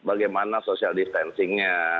bagaimana social distancingnya